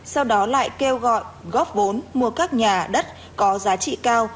sau đó lại kêu gọi góp vốn mua các nhà đất có giá trị cao